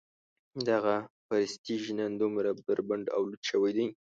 دغه پرستیژ نن دومره بربنډ او لوڅ شوی دی.